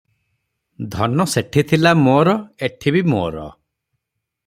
ଧନ ସେଠି ଥିଲା ମୋର - ଏଠି ବି ମୋର ।